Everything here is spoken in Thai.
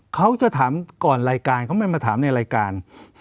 เขาจะถามก่อนรายการเขาไม่มาถามในรายการ